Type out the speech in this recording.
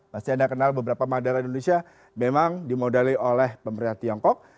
pasti anda kenal beberapa bandara indonesia memang dimodali oleh pemerintah tiongkok